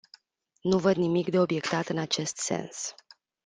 Nu văd nimic de obiectat în acest sens.